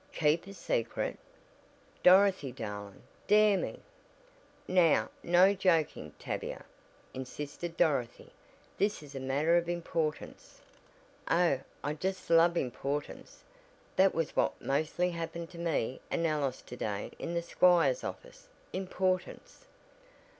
"Keep a secret? Dorothy darling, Dare me!" "Now, no joking, Tavia," insisted Dorothy, "this is a matter of importance." "Oh, I just love importance. That was what mostly happened to me and Alice to day in the squire's office importance!"